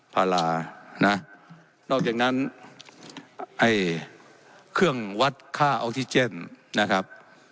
ภาระนะนอกจากนั้นไอ้เครื่องวัดค่าออกซิเจนนะครับ